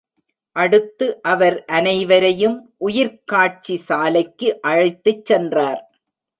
அடுத்து அவர் அனைவரையும் உயிர்க்காட்சி சாலைக்கு அழைத்துச் சென்றார்.